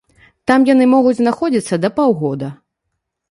Там яны могуць знаходзіцца да паўгода.